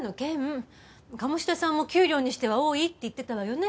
鴨志田さんも給料にしては多いって言ってたわよね？